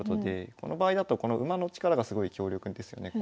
この場合だとこの馬の力がすごい強力ですよね。